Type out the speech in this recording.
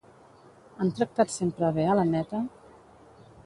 Han tractat sempre bé a l'Anneta?